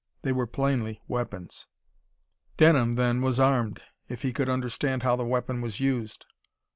They were plainly weapons. Denham, then, was armed if he could understand how the weapon was used.